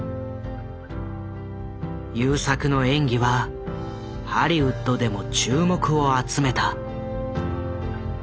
優作の演技はハリウッドでも注目を集めた。